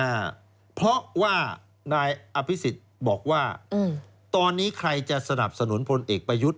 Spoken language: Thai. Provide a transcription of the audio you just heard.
อ่าเพราะว่านายอภิษฎบอกว่าอืมตอนนี้ใครจะสนับสนุนพลเอกประยุทธ์